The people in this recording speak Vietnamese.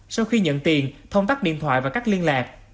sau khi nhận tiền thông tắt điện thoại và cắt liên lạc